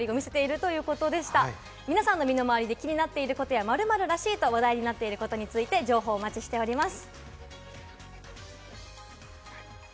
皆さんの身の回りで気になっていること、「〇〇らしい」と話題になっていることについて情報お待ちしております。